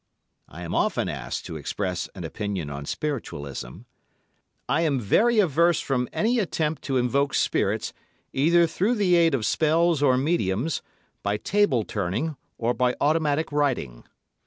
I am often asked to express an opinion on Spiritualism. I am very averse from any attempt to invoke spirits, either through the aid of spells or mediums, by table turning, or by automatic writing.